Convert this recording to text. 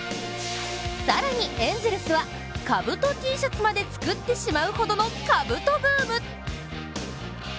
更にエンゼルスは、かぶとＴシャツまで作ってしまうほどのかぶとブーム。